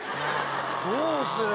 どうするよ？